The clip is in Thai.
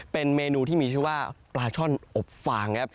เป็นเมนูที่มีชื่อว่าปลาช่อนอบฟางครับ